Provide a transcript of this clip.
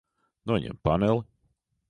Noņem paneli.